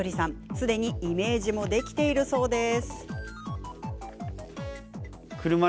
すでにイメージもできているそうです。